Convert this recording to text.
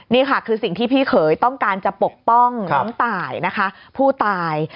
นี่ค่ะคือสิ่งที่พี่เขยต้องการจะปกป้องน้องตายนะคะผู้ตาย